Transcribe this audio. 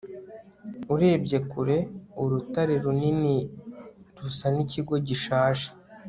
urebye kure, urutare runini rusa n'ikigo gishaje